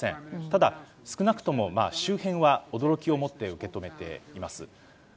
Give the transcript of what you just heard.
ただ、少なくとも周辺は驚きをもって受け止めています。